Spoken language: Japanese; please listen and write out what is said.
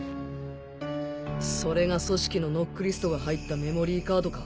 それが組織のノックリストが入ったメモリーカードか。